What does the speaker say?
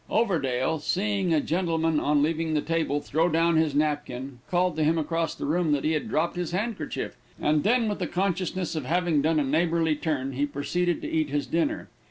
Overdale seeing a gentleman, on leaving the table, throw down his napkin, called to him across the room that he had dropped his handkerchief, and then with the consciousness of having done a neighborly turn, he proceeded to eat his dinner.